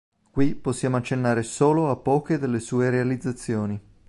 Qui possiamo accennare solo a poche delle sue realizzazioni.